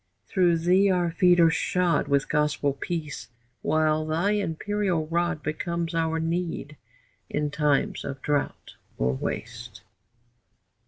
Through thee our feet are shod With gospel peace, while thy imperial rod Becomes our need in times of drought or waste.